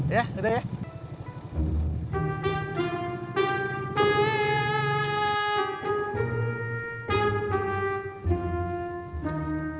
ya sudah ya